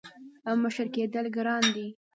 • مشر کېدل ګران دي.